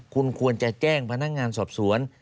คุณควรจะแจ้งพนักงานสอบสวน